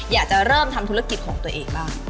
อยากจะเริ่มทำธุรกิจของตัวเองบ้าง